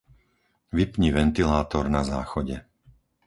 Vypni ventilátor na záchode.